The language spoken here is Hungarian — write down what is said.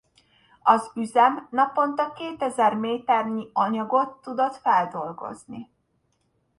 Az üzem naponta kétezer méternyi anyagot tudott feldolgozni.